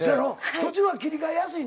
そっちの方が切り替えやすい。